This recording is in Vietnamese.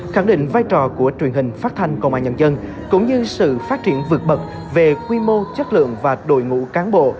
khẳng định vai trò của truyền hình phát thanh công an nhân dân cũng như sự phát triển vượt bậc về quy mô chất lượng và đội ngũ cán bộ